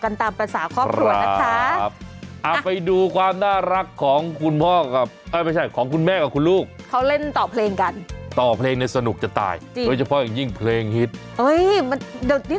นี่ป่ะไส้เหรอครับไปลองฟากันดูว่าเขารองต่อเพลงเรียบถูกไม่ถูกเนี่ย